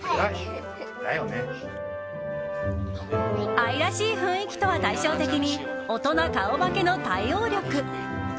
愛らしい雰囲気とは対照的に大人顔負けの対応力。